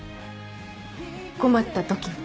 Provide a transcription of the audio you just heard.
困った時の。